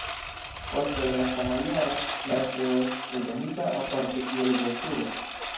Poste en la sama jaro la eseo estis eldonita aparte kiel broŝuro.